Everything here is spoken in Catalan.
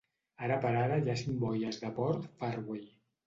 Ara per ara hi ha cinc boies de port Fairway.